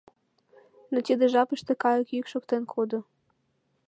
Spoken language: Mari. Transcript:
Но тиде жапыште кайык йӱк шоктен кодо.